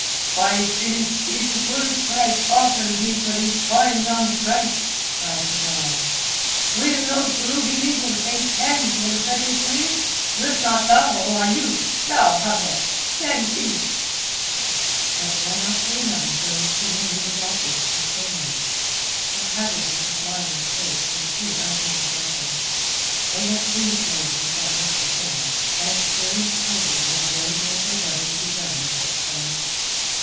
"Five philips is the foolish price offered me for this fine young Frank," cried the dalal. "Will no True Believer pay ten for such a slave? Wilt not thou, O Ayoub? Thou, Hamet—ten philips?" But one after another those to whom he was offered shook their heads. The haggardness of Lionel's face was too unprepossessing. They had seen slaves with that look before, and experience told them that no good was ever to be done with such fellows.